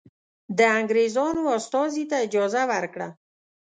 د انګرېزانو استازي ته اجازه ورکړه.